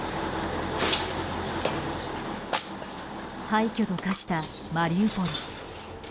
廃虚と化したマリウポリ。